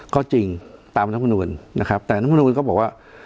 ก็จริงตามน้ำนวลนะครับแต่น้ำนวลก็บอกว่า